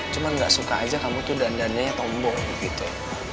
cuman gak suka aja kamu tuh dandannya tomboy gitu